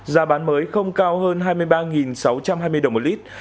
giá bán mới không cao hơn hai mươi ba sáu trăm hai mươi đồng một lít